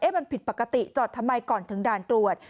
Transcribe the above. มันผิดปกติจอดทำไมก่อนถึงด่านตรวจ